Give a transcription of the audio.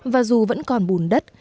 và dù vẫn còn bùn đất